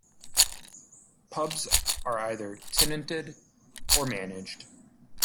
Pubs are either tenanted or managed.